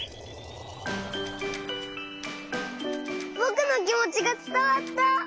ぼくのきもちがつたわった！